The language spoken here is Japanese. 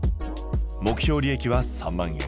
目標利益は３万円。